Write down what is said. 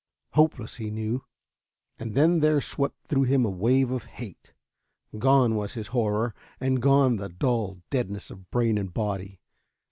Hopeless, he knew. And then there swept through him a wave of hate. Gone was his horror, and gone the dull deadness of brain and body.